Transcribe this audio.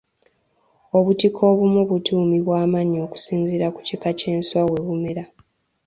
Obutiko obumu butuumibwa amannya okusinziira ku kika ky’enswa we bumera.